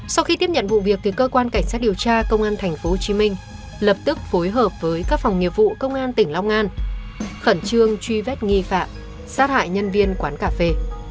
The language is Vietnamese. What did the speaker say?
sau khi tiếp nhận vụ việc cơ quan cảnh sát điều tra công an tp hcm lập tức phối hợp với các phòng nghiệp vụ công an tỉnh long an khẩn trương truy vết nghi phạm sát hại nhân viên quán cà phê